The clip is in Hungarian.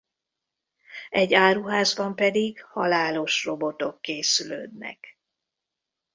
Egy áruházban pedig halálos robotok készülődnek.